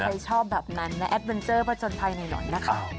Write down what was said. เผื่อใครชอบแบบนั้นนะแอดเวนเจอร์พจนไพรในหล่อนนะคะ